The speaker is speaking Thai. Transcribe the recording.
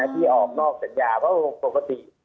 ที่ออกนอกสัญญาเพราะปกติ